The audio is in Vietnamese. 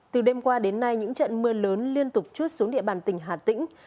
trận mưa lớn liên tục chút xuống địa bàn tỉnh hà tĩnh